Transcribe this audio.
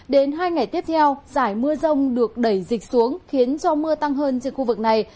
đến hai ngày tiếp theo giải mưa rông được đẩy dịch xuống khiến cho mưa tăng hơn trên khu vực này